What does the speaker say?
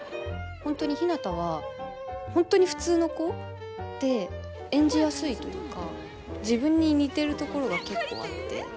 本当にひなたは本当に普通の子で演じやすいというか自分に似てるところが結構あって。